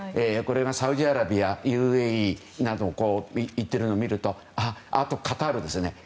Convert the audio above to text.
サウジアラビアやＵＡＥなどに行っているのを見るとあとカタールですね。